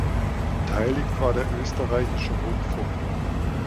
Beteiligt war der Österreichische Rundfunk.